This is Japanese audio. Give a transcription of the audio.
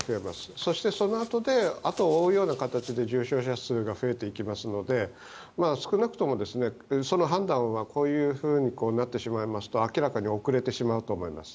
そしてそのあとで後を追うような形で重症者数が増えていきますので少なくとも、その判断はこういうふうになってしまいますと明らかに遅れてしまうと思います。